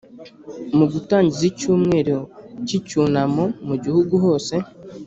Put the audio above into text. Mu gutangiza icyumweru cy icyunamo mu gihugu hose